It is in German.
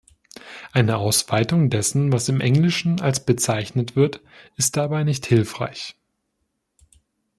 Eine Ausweitung dessen, was im Englischen als bezeichnet wird, ist dabei nicht hilfreich.